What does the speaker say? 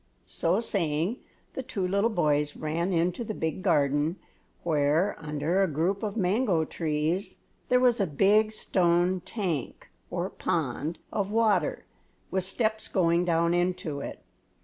So saying the two little boys ran into the big garden where, under a group of mango trees, there was a big stone tank, or pond, of water, with steps going down into it.